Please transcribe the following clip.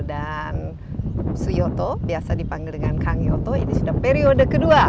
dan suyoto biasa dipanggil kangyoto ini sudah periode kedua